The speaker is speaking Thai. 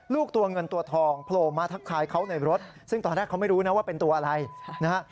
ตัวเงินตัวทองโผล่มาทักทายเขาในรถซึ่งตอนแรกเขาไม่รู้นะว่าเป็นตัวอะไรนะฮะ